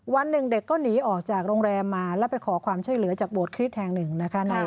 วันหนึ่งเด็กก็หนีออกจากโรงแรมมาแล้วไปขอความช่วยเหลือจากโดดคริสต์แห่งหนึ่งนะคะ